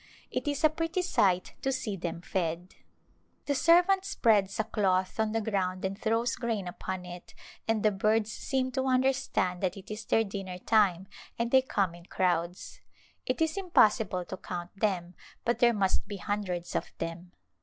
It is a pretty sight to see them fed. [26s] A Glimpse of Itidia The servant spreads a cloth on the ground and throws grain upon it and the birds seem to understand that it is their dinner time and they come in crowds. It is impossible to count them but there must be hundreds of them.